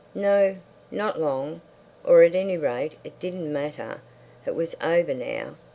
No; not long. Or, at any rate, it didn't matter. It was over now.